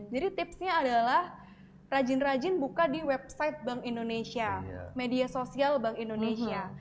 jadi tipsnya adalah rajin rajin buka di website bank indonesia media sosial bank indonesia